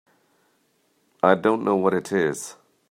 I don't know what it is.